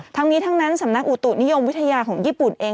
ทั้งนี้ทั้งนั้นสำนักอุตุนิยมวิทยาของญี่ปุ่นเอง